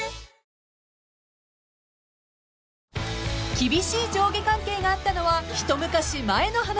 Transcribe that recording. ［厳しい上下関係があったのは一昔前の話］